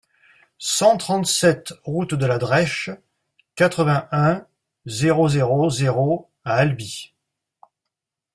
cent trente-sept route de la Drêche, quatre-vingt-un, zéro zéro zéro à Albi